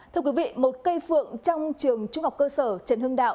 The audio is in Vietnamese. thưa quý vị một cây phượng trong trường trung học cơ sở trần hưng đạo